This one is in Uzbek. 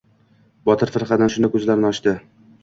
Botir firqa ana shunda ko‘zlarini ochdi.